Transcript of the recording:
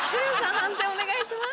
判定お願いします。